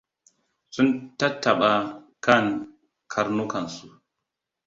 Sun tattaɓa kan karnukansu.